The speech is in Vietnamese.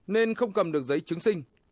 nên không cầm được giấy chứng sinh